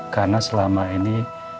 karena selama ini